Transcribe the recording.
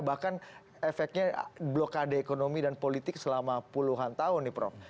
bahkan efeknya blokade ekonomi dan politik selama puluhan tahun nih prof